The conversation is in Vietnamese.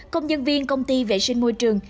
công nhân viên công ty vệ sinh môi trường